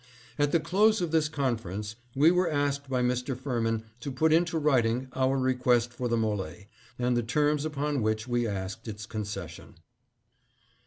" At the close of this conference we were asked by Mr. Firmin to put into writing our request for the M61e, and the terms upon which we asked its concession.